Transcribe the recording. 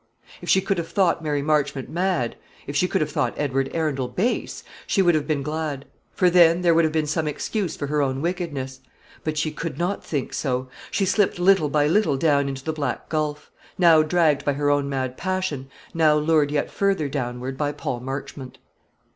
If she could have thought Mary Marchmont mad, if she could have thought Edward Arundel base, she would have been glad; for then there would have been some excuse for her own wickedness. But she could not think so. She slipped little by little down into the black gulf; now dragged by her own mad passion; now lured yet further downward by Paul Marchmont.